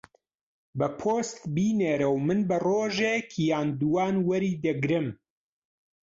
بە پۆست بینێرە و من بە ڕۆژێک یان دووان وەری دەگرم.